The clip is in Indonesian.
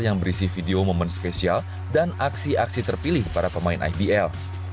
yang berisi video momen spesial dan aksi aksi terpilih para pemain ibl